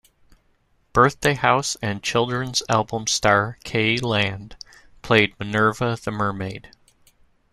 "Birthday House" and children's album star Kay Lande played Minerva the Mermaid.